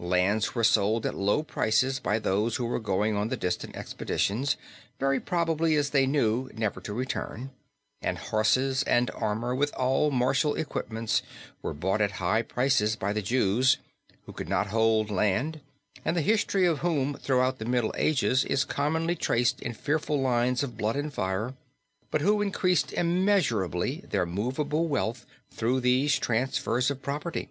Lands were sold at low prices by those who were going on the distant expeditions, very probably, as they knew, never to return; and horses and armor, with all martial equipments, were bought at high prices by the Jews, who could not hold land, and the history of whom throughout the Middle Ages is commonly traced in fearful lines of blood and fire, but who increased immeasurably their movable wealth through these transfers of property.